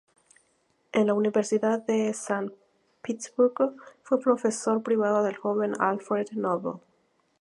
En la Universidad de San Petersburgo fue profesor privado del joven Alfred Nobel.